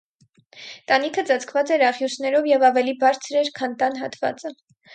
Տանիքը ծածկված էր աղյուսներով և ավելի բարձր էր քան տան հատվածը։